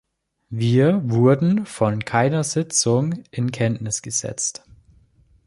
Wir wurden von keiner Sitzung in Kenntnis gesetzt.